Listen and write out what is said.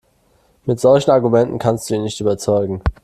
Mit solchen Argumenten kannst du ihn nicht überzeugen.